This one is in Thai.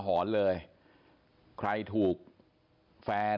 หรือหรือ